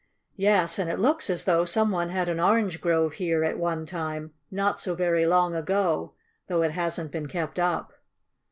"Yes. And it looks as though some one had an orange grove here at one time, not so very long ago, though it hasn't been kept up."